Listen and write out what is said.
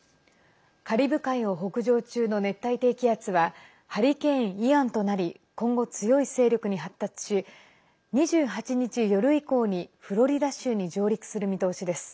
カリブ海を北上中の熱帯低気圧はハリケーン、イアンとなり今後強い勢力に発達し２８日夜以降にフロリダ州に上陸する見通しです。